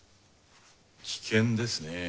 危険ですね。